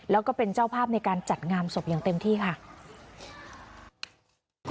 แล้วก็เป็นเจ้าภาพในการจัดงานศพอย่างเต็มที่ค่ะ